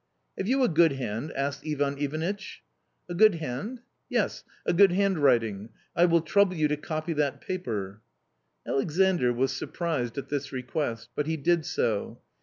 " Have you a good hand ?" asked Ivan Ivanitch. " A good hand ?"" Yes, a good handwriting. I will trouble you to copy that paper." Alexandr was surprised at this request ; but he did so.